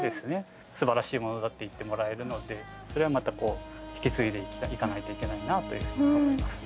すばらしいものだって言ってもらえるのでそれはまたこう引き継いでいかないといけないなというふうに思いますね。